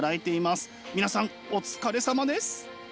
皆さんお疲れさまです。